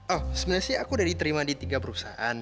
oh sebenarnya sih aku udah diterima di tiga perusahaan